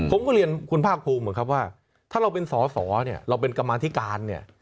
ผมก็เรียนคุณภาคภูมิเหมือนครับว่าถ้าเราเป็นสอสอเนี่ยเราเป็นกรรมาธิการเนี่ย